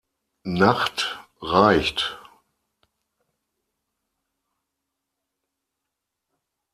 Nacht reicht.